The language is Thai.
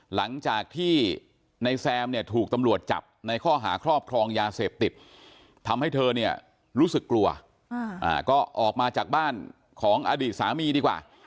หลังจากที่ในแซมเนี่ยถูกตำรวจจับในข้อหาครอบครองยาเสพติดทำให้เธอเนี่ยรู้สึกกลัวก็ออกมาจากบ้านของอดีตสามีดีกว่า